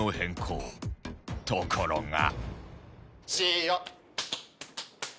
ところが